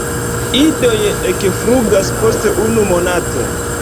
Idoj ekflugas post unu monato.